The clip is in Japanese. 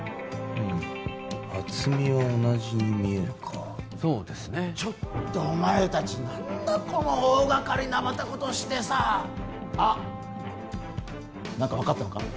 うん厚みは同じに見えるかそうですねちょっとお前達何だこの大がかりなまたことしてさあっ何か分かったのか？